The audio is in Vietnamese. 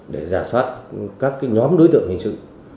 để xác định các nhóm đối tượng hình sự